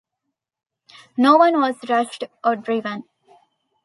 No one was rushed or driven.